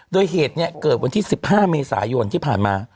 โดยเหตุเกิดวันที่๑๕เมษายนที่ผ่านมา